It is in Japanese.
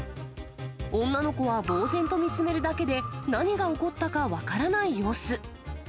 女の子はぼう然と見つめるだけで、何が起こったか分からない様子。